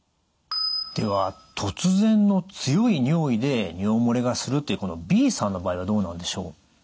では突然の強い尿意で尿漏れがするっていうこのＢさんの場合はどうなんでしょう？